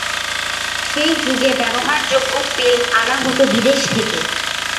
সেই যুগে ব্যবহারযোগ্য ফিল্ম আনা হত বিদেশ থেকে।